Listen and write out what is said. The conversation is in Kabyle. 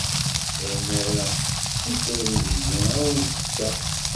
Ayen ara d-tessutrem deg-i, ad wen-t-fkeɣ.